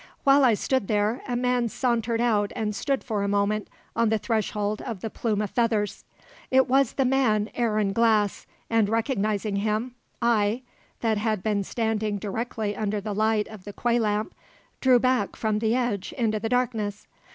While I stood there, a man sauntered out and stood for a moment on the threshold of the Plume of Feathers. It was the man Aaron Glass, and, recognizing him, I (that had been standing directly under the light of the quay lamp) drew back from the edge into the darkness.